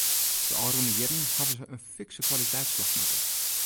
De ôfrûne jierren hawwe se in fikse kwaliteitsslach makke.